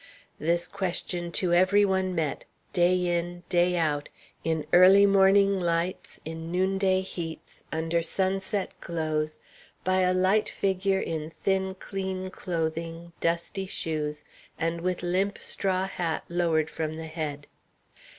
This question to every one met, day in, day out, in early morning lights, in noonday heats, under sunset glows, by a light figure in thin, clean clothing, dusty shoes, and with limp straw hat lowered from the head.